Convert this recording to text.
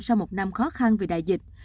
sau một năm khó khăn vì đại dịch